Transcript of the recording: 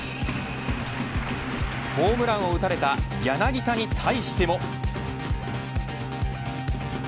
ホームランを打たれた柳田に対しても。